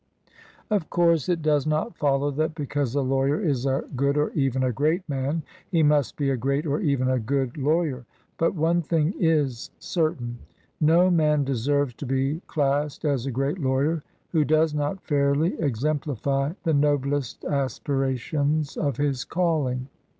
Of course it does not follow that because a lawyer is a good, or even a great, man, he must be a great, or even a good, lawyer. But one thing is certain : no man deserves to be classed as a great lawyer who does not fairly exemplify the noblest aspirations of his calling.